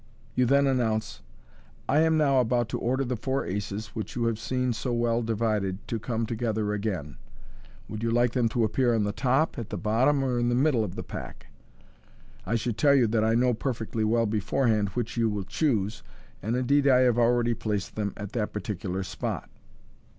You then announce, " I am now about to order the four aces, which you have seen so well divided, to come together again Would you like them to appear on the top, at the bottom, or in the middle of tht pack ? I should tell you that I know perfectly well beforehand which you will choose, and indeed I have already placed them at that par ticular spot."